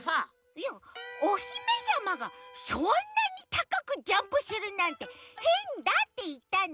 いやおひめさまがそんなにたかくジャンプするなんてへんだっていったの。